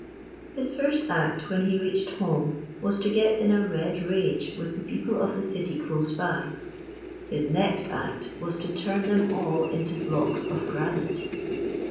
His first act when he reached home was to get in a red rage with the people of the city close by; his next act was to turn them all into blocks of granite.